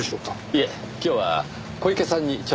いえ今日は小池さんにちょっと。